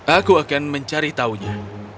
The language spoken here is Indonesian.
aku akan mencari taunya